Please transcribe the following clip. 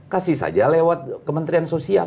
kasih saja lewat kementerian sosial